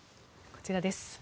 こちらです。